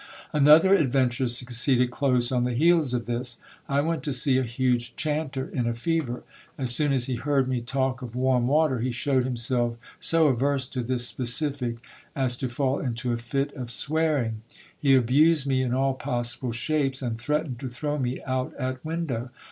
Another adventure succeeded close on the heels of this. I went to see a huge chanter in a fever. As soon as he heard me talk of warm water, he showed himself so averse to this specific, as to fall into a fit of swearing. He abused me in all possible shapes, "and threatened to throw me out at window.